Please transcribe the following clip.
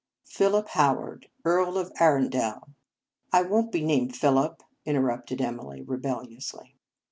" Philip Howard, Earl of Arun del" " I won t be named Philip," inter rupted Emily rebelliously.